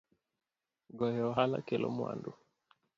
Goyo ohala kelo mwandu